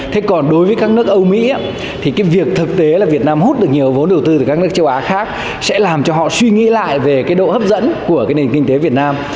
thế còn đối với các nước âu mỹ thì cái việc thực tế là việt nam hút được nhiều vốn đầu tư từ các nước châu á khác sẽ làm cho họ suy nghĩ lại về cái độ hấp dẫn của cái nền kinh tế việt nam